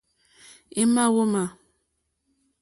É ǃmá wúŋmā.